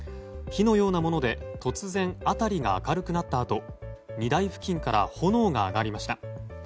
火のようなもので突然辺りが明るくなったあと荷台付近から炎が上がりました。